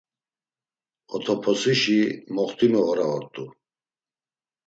Otoposişi moxtimu ora ort̆u.